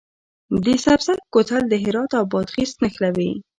د سبزک کوتل هرات او بادغیس نښلوي